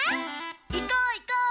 いこういこう！